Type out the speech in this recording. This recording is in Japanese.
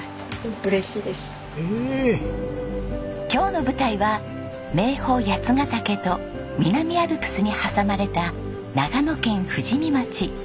今日の舞台は名峰八ヶ岳と南アルプスに挟まれた長野県富士見町。